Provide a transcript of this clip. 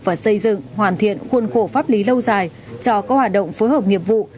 và xây dựng hoàn thiện khuôn khổ pháp lý lâu dài cho các hoạt động phối hợp nghiệp vụ